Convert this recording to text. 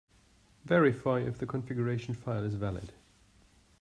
Verify if the configuration file is valid.